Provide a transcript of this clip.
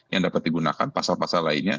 yang dapat digunakan pasal pasal lainnya